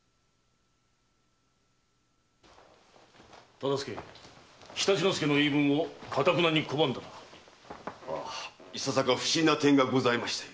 忠相常陸介の言い分をかたくなに拒んだな。はあいささか不審な点がございまして。